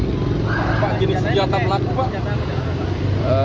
pak jenis senjata pelaku pak